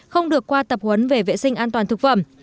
không được qua tập huấn về vệ sinh an toàn thực phẩm